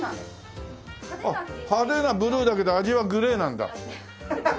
派手なブルーだけど味はグレーなんだ。